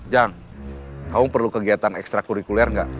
jang kamu perlu kegiatan ekstra kurikuler nggak